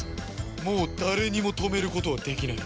もう誰にも止めることはできない